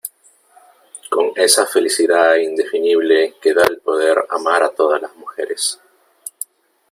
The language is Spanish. con esa felicidad indefinible que da el poder amar a todas las mujeres .